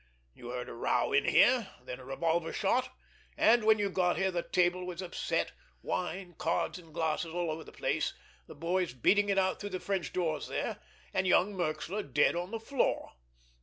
You heard a row in here, then a revolver shot, and when you got here the table was upset, wine, cards and glasses all over the place, the boys beating it out through the French doors there, and young Merxler dead on the floor.